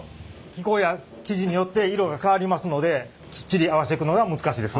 気候や生地によって色が変わりますのできっちり合わせていくのが難しいです。